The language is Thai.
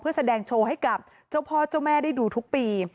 แสดงโชว์ให้กับเจ้าพ่อเจ้าแม่ได้ดูทุกปี